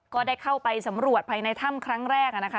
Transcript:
ก็ได้เข้าไปสำรวจภายในถ้ำครั้งแรกนะคะ